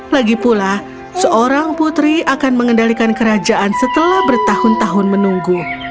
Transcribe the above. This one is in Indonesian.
lagi pula seorang putri akan mengendalikan kerajaan setelah bertahun tahun menunggu